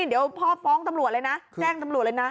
เดี๋ยวพ่อฟ้องตำรวจเลยนะแจ้งตำรวจเลยนะ